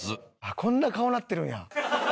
「こんな顔なってるんや」